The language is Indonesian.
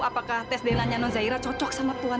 apakah tes dna nya non zahira cocok sama tuhan